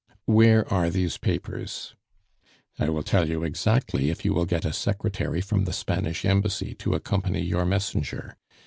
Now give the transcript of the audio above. "Where are these papers?" "I will tell you exactly if you will get a secretary from the Spanish Embassy to accompany your messenger.